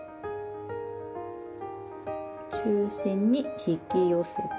中心に引き寄せて。